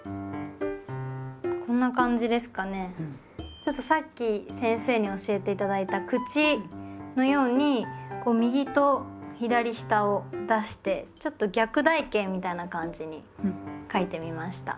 ちょっとさっき先生に教えて頂いた「口」のように右と左下を出してちょっと逆台形みたいな感じに書いてみました。